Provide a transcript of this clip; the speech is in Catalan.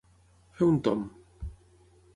Fer un tomb.